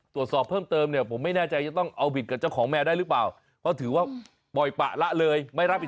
แต่ก็ไม่รู้ว่าจริงเขามีเหตุผลอะไร